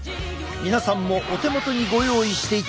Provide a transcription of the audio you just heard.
皆さんもお手元にご用意していただき